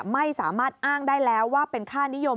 ไม่สามารถอ้างได้แล้วว่าเป็นค่านิยม